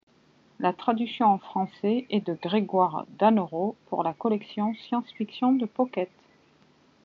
La traduction en français est de Grégoire Dannereau pour la collection Science-fiction de Pocket.